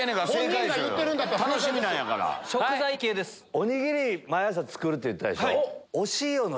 おにぎり毎朝作るって言ってたでしょ。